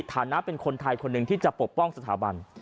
ฐานะเป็นคนไทยคนหนึ่งที่จะปกป้องสถาบัน